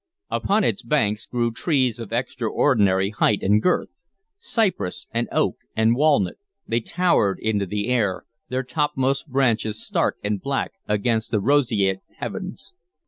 Upon its banks grew trees of extraordinary height and girth; cypress and oak and walnut, they towered into the air, their topmost branches stark and black against the roseate heavens.